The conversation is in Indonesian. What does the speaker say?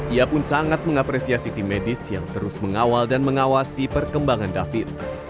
ia pun sangat mengapresiasi tim medis yang terus mengawal dan mengawasi perkembangan david